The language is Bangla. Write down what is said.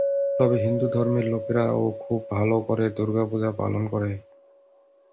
তবে হিন্দু ধর্মের লোকেরা ও খুব ভালো করে দুর্গা পূজা পালন করে।